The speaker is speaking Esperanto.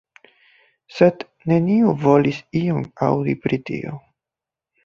Sed neniu volis ion aŭdi pri tio.